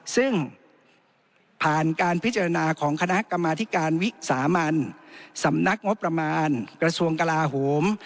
ซึ่งผ่านการพิจารณาของคณะกรรมาธิการวิสามันสำนักงบประมาณกระทรวงกลาโหม